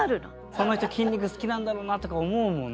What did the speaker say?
この人筋肉好きなんだろうなとか思うもんな。